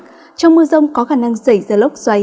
trong mưa rông có khả năng xảy ra lốc xoáy